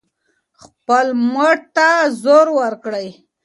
خپل مټ ته زور ورکړئ.